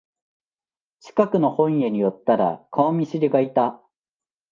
近くの本屋に寄ったら顔見知りがいた